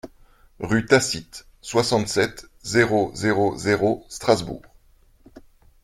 Rue Tacite, soixante-sept, zéro zéro zéro Strasbourg